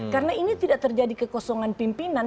karena ini tidak terjadi kekosongan pimpinan